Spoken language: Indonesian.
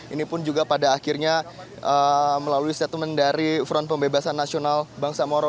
ini pun juga pada akhirnya melalui statement dari front pembebasan nasional bangsa moro